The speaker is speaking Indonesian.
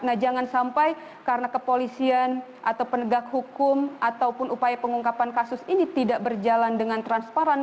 nah jangan sampai karena kepolisian atau penegak hukum ataupun upaya pengungkapan kasus ini tidak berjalan dengan transparan